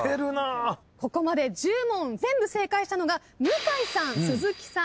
ここまで１０問全部正解したのが向井さん鈴木さん